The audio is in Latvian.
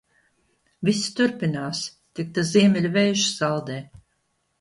Viss turpinās. Tik tas ziemeļu vējš saldē.